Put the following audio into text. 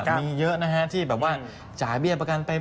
มีเยอะนะฮะที่แบบว่าจ่ายเบี้ยประกันไป